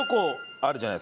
ある。